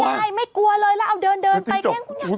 คุณยายไม่กลัวเลยแล้วเอาเดินไปแกล้งคุณยาย